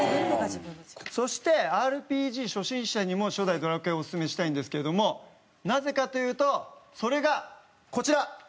そしてＲＰＧ初心者にも初代『ドラクエ』をおすすめしたいんですけどもなぜかというとそれがこちら。